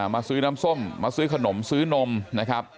มาซื้อน้ำส้มมาซื้อขนมซื้อนมนะครับ